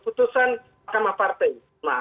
keputusan mahkamah partai